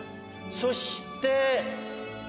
そして。